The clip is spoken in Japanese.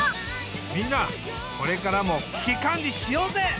みんなこれからも危機管理しようぜ！